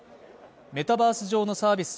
メタバース上のサービス